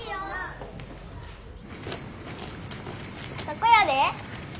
そこやで。